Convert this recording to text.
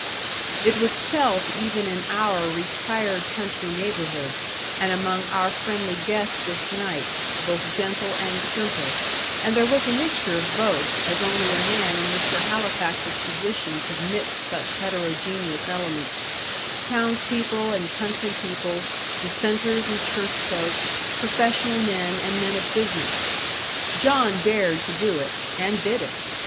It was felt even in our retired country neighbourhood, and among our friendly guests this night, both gentle and simple and there was a mixture of both, as only a man in Mr. Halifax's position could mix such heterogeneous elements towns people and country people, dissenters and church folk, professional men and men of business. John dared to do it and did it.